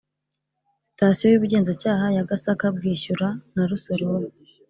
Sitasiyo y Ubugenzacyaha ya Gasaka Bwishyura na Rusororo